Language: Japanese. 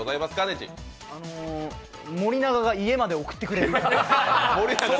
森永が家まで送ってくれる？